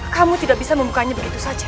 kamu tidak bisa membukanya begitu saja